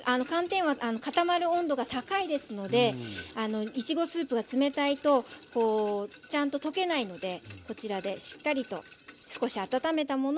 固まる温度が高いですのでいちごスープが冷たいとこうちゃんと溶けないのでこちらでしっかりと少し温めたものを合わせて。